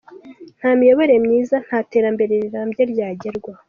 Nta miyoborere myiza nta terambere rirambye ryagerwaho